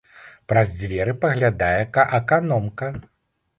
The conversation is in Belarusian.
Праз дзверы паглядае аканомка.